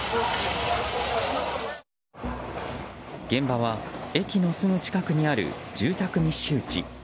現場は、駅のすぐ近くにある住宅密集地。